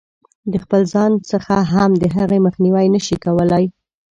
د خپل ځان څخه هم د هغې مخنیوی نه شي کولای.